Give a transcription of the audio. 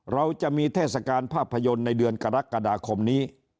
เราจะมีเทศกาลภาพยนตร์ในเดือนกรกฎาคมนี้